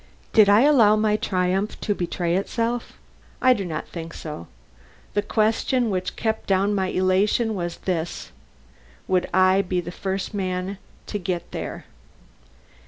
Did I allow my triumph to betray itself? I do not think so. The question which kept down my elation was this: Would I be the first man to get there?